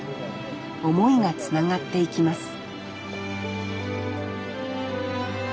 思いがつながっていきます